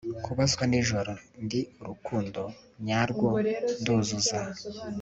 Kubazwa nijoro Ndi Urukundo nyarwo nduzuza